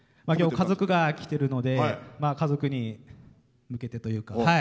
今日家族が来てるので家族に向けてというか。